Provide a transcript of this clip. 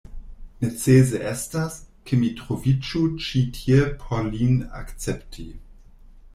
Necese estas, ke mi troviĝu ĉi tie por lin akcepti.